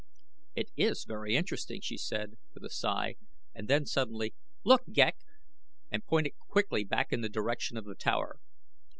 "It is very interesting," she said, with a sigh, and then, suddenly; "Look, Ghek!" and pointed quickly back in the direction of the tower.